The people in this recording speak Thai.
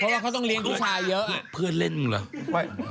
เพราะล่ะเค้าต้องเรียนทุกข่ายเล่าค่ะเพื่อนเล่นเหรอ